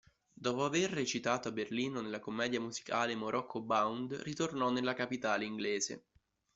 Dopo aver recitato a Berlino nella commedia musicale "Morocco Bound", ritornò nella capitale inglese.